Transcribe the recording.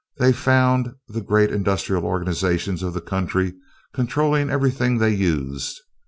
They found the great industrial organizations of the country controlling everything they used.